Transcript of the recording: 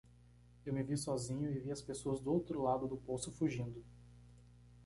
Eu me vi sozinho e vi as pessoas do outro lado do poço fugindo.